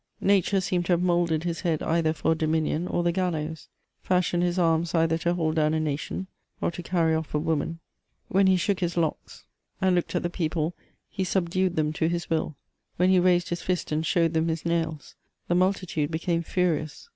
Nature seemed to have moulded hb head either for dominion or the gallows, fashioned his arms either to hold down a nation or to carry off a woman ; when he shook hb locks and looked at the people, he subdued them to hb will ; when he raised his fist and showed them his nails, the multitude became furious.